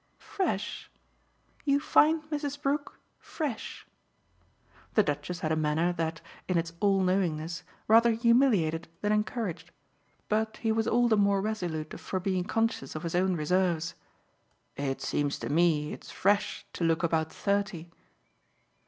"Fresh? You find Mrs. Brook fresh?" The Duchess had a manner that, in its all knowingness, rather humiliated than encouraged; but he was all the more resolute for being conscious of his own reserves. "It seems to me it's fresh to look about thirty."